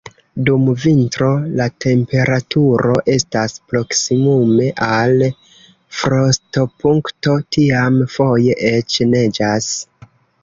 Dum vintro la temperaturo estas proksimume al frostopunkto, tiam foje eĉ neĝas.